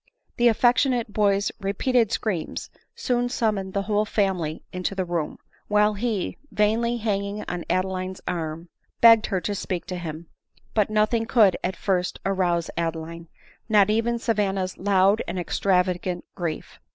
The affectionate boy's repeated screams soon sum moned the whole family into the room, while he, vainly hanging on Adeline's arm, begged her to speak to him ; But nothing could at first rouse Adeline, not even Sa vanna's loud and extravagant grief.